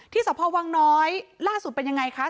สพวังน้อยล่าสุดเป็นยังไงคะ